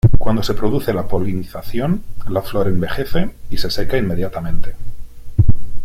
Cuando se produce la polinización, la flor envejece y se seca inmediatamente.